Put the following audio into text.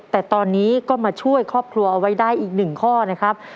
แต่ตอนนี้ก็มาช่วยครอบครัวเอาไว้ได้อีกหนึ่งข้อนะครับ